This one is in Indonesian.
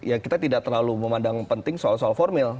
ya kita tidak terlalu memandang penting soal soal formil